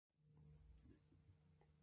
Il vit aujourd'hui à Stockholm, en Suède.